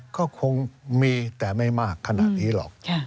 ก็คงมีแต่ไม่มากขนาดนี้หรอก